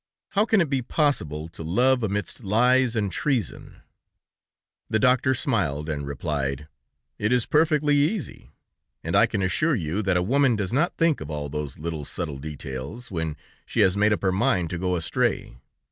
How can it be possible to love amidst lies and treason?" The doctor smiled, and replied: "It is perfectly easy, and I can assure you that a woman does not think of all those little subtle details, when she has made up her mind to go astray.